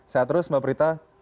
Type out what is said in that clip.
sehat terus mbak prita